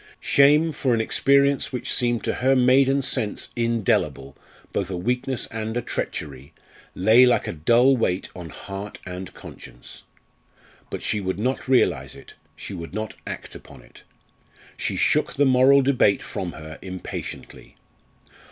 Shame for an experience which seemed to her maiden sense indelible both a weakness and a treachery lay like a dull weight on heart and conscience. But she would not realise it, she would not act upon it. She shook the moral debate from her impatiently.